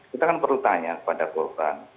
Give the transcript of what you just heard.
kita kan perlu tanya kepada korban